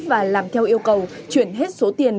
và làm theo yêu cầu chuyển hết số tiền